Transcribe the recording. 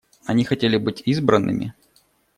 Они хотели быть избранными.